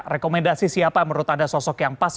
rekomendasi siapa menurut anda sosok yang pas